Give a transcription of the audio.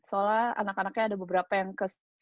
soalnya anak anaknya ada beberapa yang ke si games